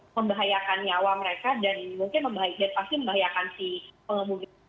membahayakan nyawa mereka dan mungkin pasti membahayakan si pengemudi